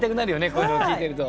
こういうの聞いてると。